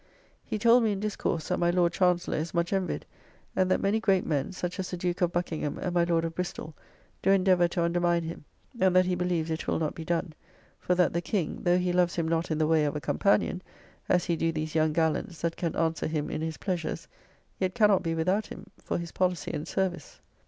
He told me in discourse that my Lord Chancellor is much envied, and that many great men, such as the Duke of Buckingham and my Lord of Bristoll, do endeavour to undermine him, and that he believes it will not be done; for that the King (though he loves him not in the way of a companion, as he do these young gallants that can answer him in his pleasures), yet cannot be without him, for his policy and service.